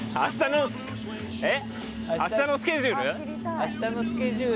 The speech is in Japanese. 明日のスケジュール？